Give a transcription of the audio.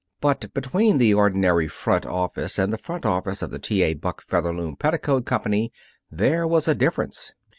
But between the ordinary front office and the front office of the T. A. Buck Featherloom Petticoat Company there was a difference.